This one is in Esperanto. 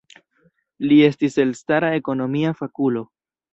Li estis elstara ekonomia fakulo.